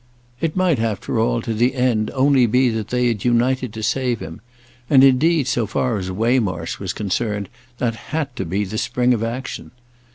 It might after all, to the end, only be that they had united to save him, and indeed, so far as Waymarsh was concerned, that had to be the spring of action.